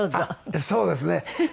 そうですね。